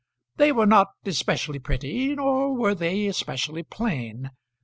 They were not especially pretty, nor were they especially plain.